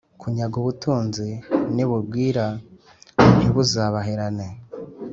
kunyaga Ubutunzi nibugwira ntibuzabaherane